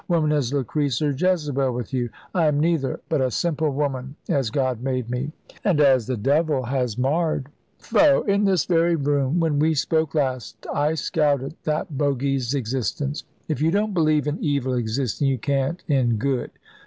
Woman is Lucrece or Jezebel, with you. I am neither; but a simple woman, as God made me." "And as the devil has marred." "Foh! In this very room, when we spoke last, I scouted that bogie's existence." "If you don't believe in evil existing, you can't in good.